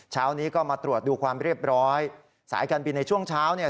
เช้านี้ก็มาตรวจดูความเรียบร้อยสายการบินในช่วงเช้าเนี่ย